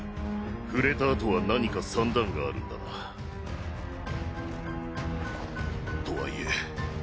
触れたあとは何か算段があるんだな？とはいえ。